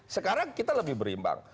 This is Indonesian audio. sekarang kita lebih berimbang